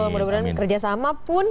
kerja sama pun